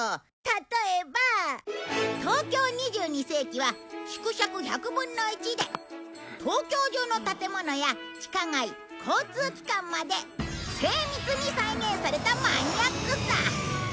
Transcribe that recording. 例えば「ＴＯＫＹＯ二十二世紀」は縮尺１００分の１で東京中の建物や地下街交通機関まで精密に再現されたマニアックさ。